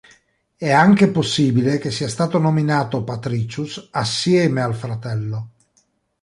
È anche possibile che sia stato nominato "patricius" assieme al fratello.